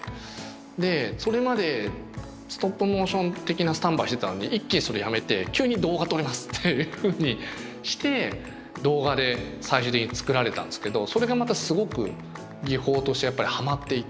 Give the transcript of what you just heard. でそれまでストップモーション的なスタンバイしてたのに一気にそれやめて急に動画撮りますっていうふうにして動画で最終的に作られたんですけどそれがまたすごく技法としてやっぱりハマっていて。